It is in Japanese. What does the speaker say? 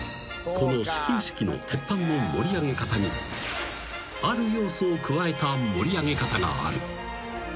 ［この始球式の鉄板の盛り上げ方にある要素を加えた盛り上げ方がある］